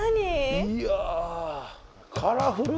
いや。